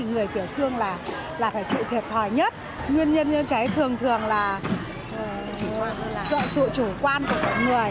nguyên nhân như thế thường thường là sợi chủ quan của người